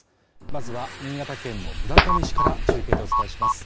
まずは新潟県の村上市から中継でお伝えします